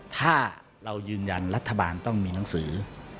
ถ้าเรายืนยันรัฐบาลต้องมีหนังสือ